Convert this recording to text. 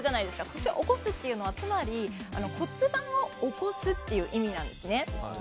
腰を起こすというのはつまり、骨盤を起こすという意味なんですね。